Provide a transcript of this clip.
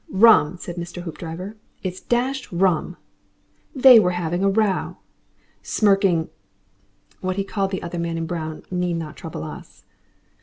"Rum," said Mr. Hoopdriver. "It's DASHED rum!" "They were having a row." "Smirking " What he called the other man in brown need not trouble us.